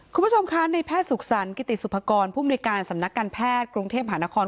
คุณผู้ชมคะในแพทย์สุขสรรคกิติสุภากรผู้มนุยการสำนักการแพทย์กรุงเทพหานคร